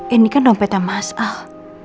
ini kan dompetnya mas al